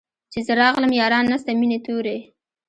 چي زه راغلم ياران نسته مېني توري